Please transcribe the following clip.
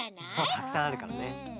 たくさんあるからね。